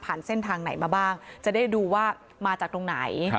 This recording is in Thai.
เส้นทางไหนมาบ้างจะได้ดูว่ามาจากตรงไหน